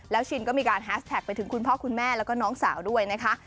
ชินก็มีการแฮสแท็กไปถึงคุณพ่อคุณแม่แล้วก็น้องสาวด้วยนะคะ